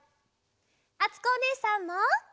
あつこおねえさんも。